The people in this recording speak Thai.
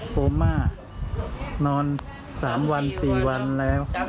ผมนอน๓วัน๔วันแล้ว